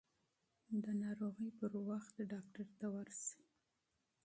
د ناروغۍ پر وخت ډاکټر ته ورشئ.